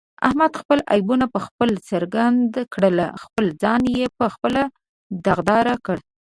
احمد خپل عیبونه په خپله څرګند کړل، خپل ځان یې په خپله داغدارکړ.